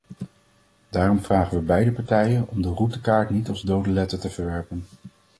Daarom vragen we beide partijen om de routekaart niet als dode letter te verwerpen.